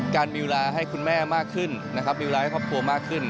การมีเวลาให้คุณแม่มากขึ้นนะครับมีเวลาให้ครอบครัวมากขึ้น